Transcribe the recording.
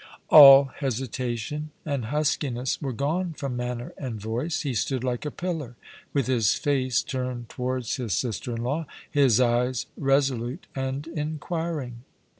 " All hesitation and huskiness were gone from manner and voice. He stood like a pillar, with his face turned towards his sister in law, his eyes resolute and inquiring.